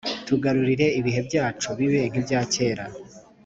Tugarurire ibihe byacu, Bibe nk’ibya kera.